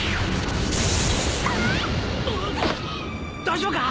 大丈夫か？